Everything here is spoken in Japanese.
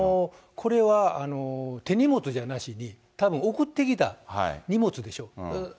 これは手荷物じゃなしに、たぶん、送ってきた荷物でしょ。